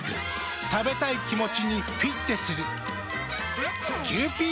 食べたい気持ちにフィッテする。